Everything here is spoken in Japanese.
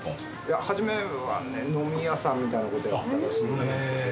初めは飲み屋さんみたいなことやってたらしいんですけど。